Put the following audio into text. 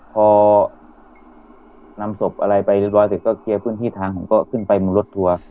พอนำศพอะไรไปเรียบร้อยเสร็จก็เคลียร์พื้นที่ทางผมก็ขึ้นไปบนรถทัวร์